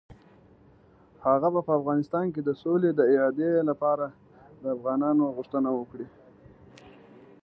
هغه به په افغانستان کې د سولې د اعادې لپاره د افغانانو غوښتنه وکړي.